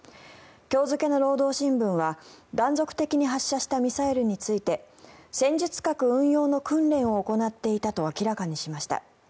今日付けの労働新聞は断続的に発射したミサイルについて戦術核運用の訓練を行っていたと明らかにしました。